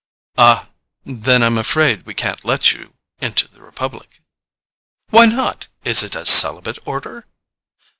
"Ah, then I'm afraid we can't let you into the republic." "Why not? Is it a celibate order?"